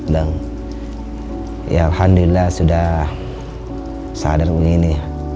dan ya alhamdulillah sudah sadar begini